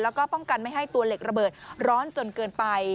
แล้วก็ป้องกันไม่ให้ตัวเหล็กระเบิดร้อนจนเกินไป